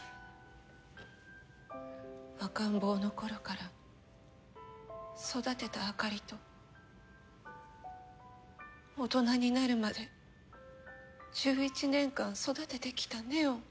赤ん坊の頃から育てたあかりと大人になるまで１１年間育ててきた祢音。